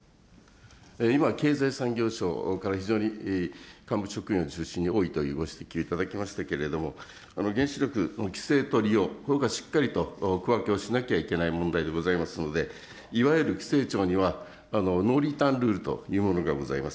環境大臣、今、経済産業省から、非常に幹部職員を中心に出身が多いというご指摘頂きましたけれども、原子力の規制と利用、これはしっかりと区分けをしなきゃいけないわけでありまして、規制庁にはノーリターンルールというものがあります。